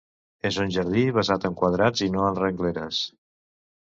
És un jardí basat en quadrats i no en rengleres.